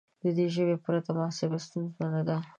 د دې ژبې پرته محاسبه ستونزمنه ده.